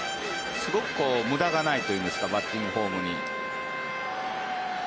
すごく無駄がないというかバッティングフォームに。